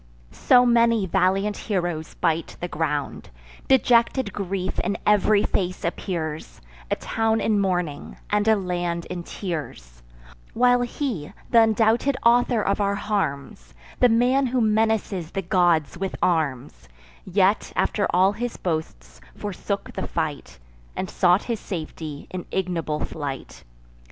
So many valiant heroes bite the ground; Dejected grief in ev'ry face appears; A town in mourning, and a land in tears; While he, th' undoubted author of our harms, The man who menaces the gods with arms, Yet, after all his boasts, forsook the fight, And sought his safety in ignoble flight.